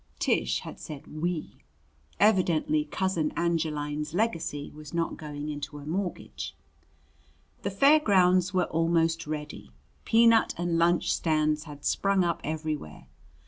Tish had said "we." Evidently Cousin Angeline's legacy was not going into a mortgage. The fair grounds were almost ready. Peanut and lunch stands had sprung up everywhere.